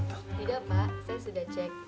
tidak pak saya sudah cek